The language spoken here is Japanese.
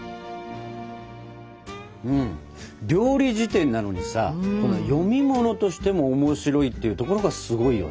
料理事典なのにさ読み物としても面白いっていうところがすごいよね。